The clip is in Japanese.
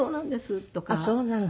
あっそうなの。